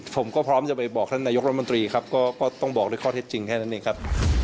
ผมก็พร้อมจะไปบอกท่านนายกรัฐมนตรีครับก็ต้องบอกด้วยข้อเท็จจริงแค่นั้นเองครับ